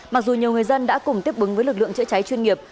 mặc dù nhiều người dân đã cùng tiếp ứng với lực lượng chữa cháy chuyên nghiệp